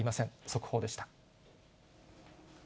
速報でした。